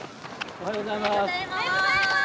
おはようございます。